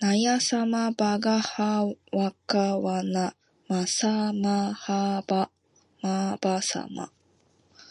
なやさまばがはわかわなまさまはまばさま